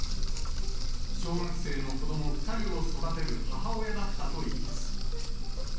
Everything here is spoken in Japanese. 小学生の子ども２人を育てる母親だったといいます。